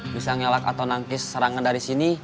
bisa ngelak atau nangis serangan dari sini